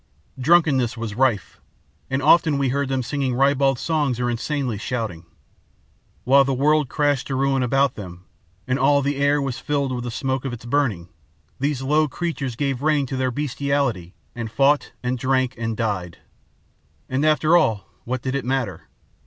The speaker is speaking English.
Drunkenness was rife, and often we heard them singing ribald songs or insanely shouting. While the world crashed to ruin about them and all the air was filled with the smoke of its burning, these low creatures gave rein to their bestiality and fought and drank and died. And after all, what did it matter?